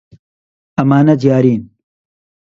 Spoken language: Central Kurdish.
ئەمانە دیارین.